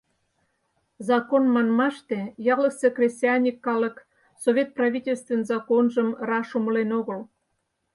Закон манмаште, ялысе кресаньык калык Совет правительствын законжым раш умылен огыл.